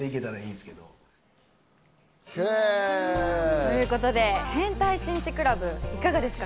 ということで変態紳士クラブ、いかがですか？